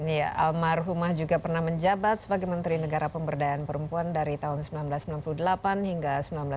iya almarhumah juga pernah menjabat sebagai menteri negara pemberdayaan perempuan dari tahun seribu sembilan ratus sembilan puluh delapan hingga seribu sembilan ratus sembilan puluh